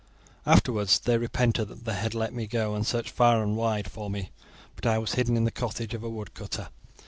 Afterwards they repented that they had let me go, and searched far and wide for me; but I was hidden in the cottage of a woodcutter.